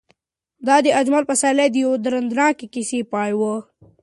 دا د اجمل پسرلي د یوې دردناکې کیسې پای و.